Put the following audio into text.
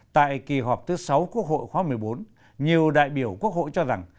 tại kỳ họp thứ sáu quốc hội khóa một mươi bốn nhiều đại biểu quốc hội cho rằng